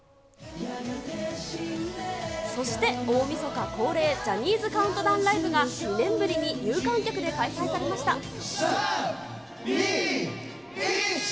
そして大みそか恒例、ジャニーズカウントダウンライブが、２年ぶりに有観客で開催されました。